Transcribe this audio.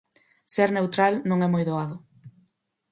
Ser neutral non é moi doado